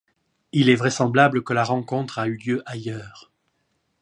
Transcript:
Il est vraisemblable que la rencontre a eu lieu ailleurs.